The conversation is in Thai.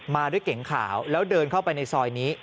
มาด้วยเก๋งขาวแล้วเดินเข้าไปในซอยนี้